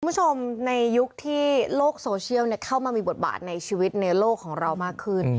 คุณผู้ชมในยุคที่โลกโซเชียลเข้ามามีบทบาทในชีวิตในโลกของเรามากขึ้น